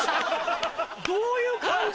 どういう感情？